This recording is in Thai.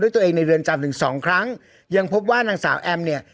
ตัวเองในเรือนจำถึงสองครั้งยังพบว่านางสาวแอมเนี่ย